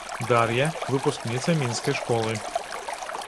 Дар'я, выпускніца мінскай школы.